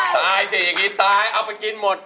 ตายสิอย่างนี้ตายเอาไปกินหมด